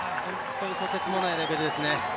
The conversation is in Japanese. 本当にとてつもないレベルですね。